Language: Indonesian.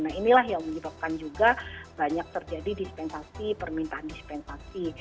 nah inilah yang menyebabkan juga banyak terjadi dispensasi permintaan dispensasi